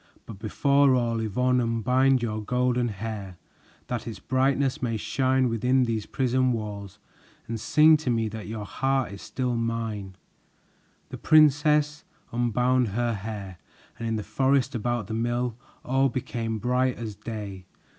But before all, Yvonne, unbind your golden hair That its brightness may shine within these prison walls, And sing to me that your heart is still mine." The princess unbound her hair, and in the forest about the mill all became bright as day.